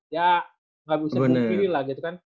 ya gak bisa kepilih lah gitu kan